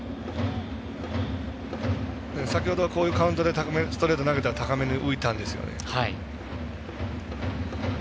先ほどはこういうカウントでストレートを投げて高めに浮いたんですよね。